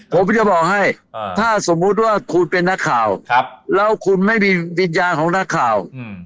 ผมจะบอกให้ถ้าสมมุติว่าคุณเป็นนักข่าวแล้วคุณไม่มีวิญญาณของนักข่าว